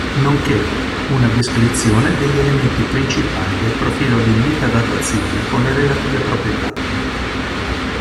Nonché una descrizione degli elementi principali del profilo di meta datazione con le relative proprietà.